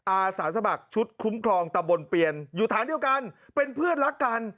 อาสาสมัครชุดคุ้มครองตะบนเปลี่ยนอยู่ฐานเดียวกันเป็นเพื่อนรักกัน